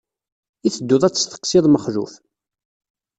I tedduḍ ad tesseqsiḍ Mexluf?